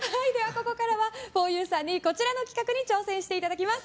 ここからはふぉゆさんにこちらの企画に挑戦していただきます。